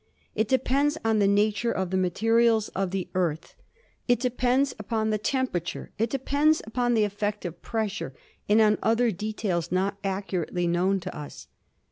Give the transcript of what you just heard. It depends on the nature of the materials of the Earth; it depends upon the temperature; it depends upon the effect of pressure and on other details not accurately known to us.